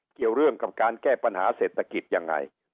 เกี่ยวเรื่องกับการแก้ปัญหาเศรษฐกิจยังไง